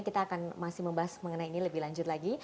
kita akan masih membahas mengenai ini lebih lanjut lagi